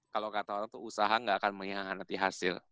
kalo kata orang tuh usaha gak akan menyelamatkan hasil